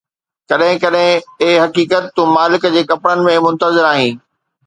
ڪڏهن ڪڏهن، اي حقيقت، تون مالڪ جي ڪپڙن ۾ منتظر آهين